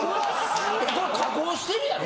これ加工してるやろ？